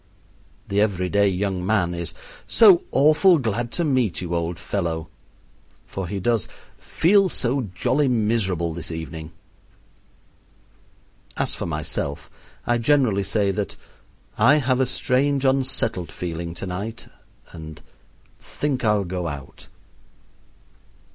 The every day young man is "so awful glad to meet you, old fellow," for he does "feel so jolly miserable this evening." As for myself, I generally say that "I have a strange, unsettled feeling to night" and "think I'll go out."